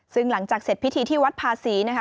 ซึ่งหลังจากเสร็จพิธีที่วัดภาษีนะคะ